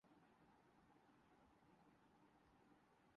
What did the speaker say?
دوبارہ ضرور تشریف لائیئے گا